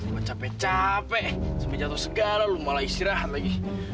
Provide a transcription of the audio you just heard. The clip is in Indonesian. gue capek capek sampai jatuh segala lu malah istirahat lagi